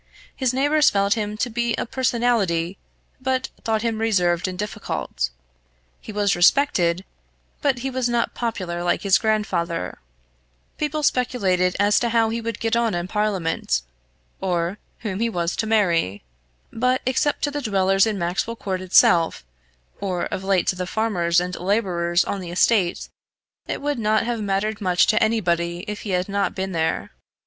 His neighbours felt him to be a personality, but thought him reserved and difficult; he was respected, but he was not popular like his grandfather; people speculated as to how he would get on in Parliament, or whom he was to marry; but, except to the dwellers in Maxwell Court itself, or of late to the farmers and labourers on the estate, it would not have mattered much to anybody if he had not been there.